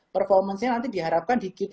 performance nya nanti diharapkan di q tiga